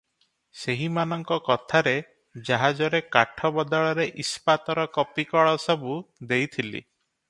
ସେହିମାନଙ୍କ କଥାରେ ଜାହାଜରେ କାଠ ବଦଳରେ ଇସ୍ପାତର କପି କଳ ସବୁ ଦେଇଥିଲି ।